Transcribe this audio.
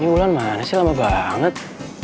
ini ulan mana sih lama banget